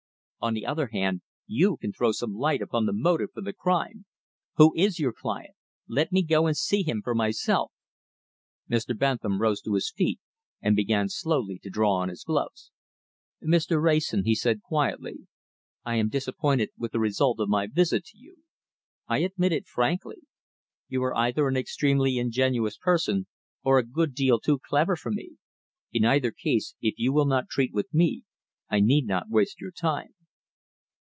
On the other hand, you can throw some light upon the motive for the crime. Who is your client? Let me go and see him for myself." Mr. Bentham rose to his feet, and began slowly to draw on his gloves. "Mr. Wrayson," he said quietly, "I am disappointed with the result of my visit to you. I admit it frankly. You are either an extremely ingenuous person, or a good deal too clever for me. In either case, if you will not treat with me, I need not waste your time."